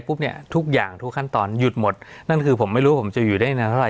เนี่ยทุกอย่างทุกขั้นตอนหยุดหมดนั่นคือผมไม่รู้ผมจะอยู่ได้นานเท่าไห